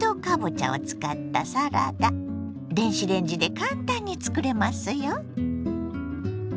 電子レンジで簡単につくれますよ。